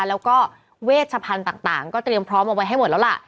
แล้วก็เวชพันธุ์ต่างก็เตรียมพร้อมเอาไว้ให้หมดแล้วล่ะ